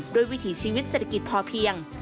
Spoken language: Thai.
วิถีชีวิตเศรษฐกิจพอเพียง